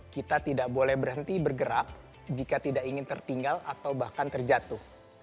kita tidak boleh berhenti bergerak jika tidak ingin tertinggal atau bahkan terjatuh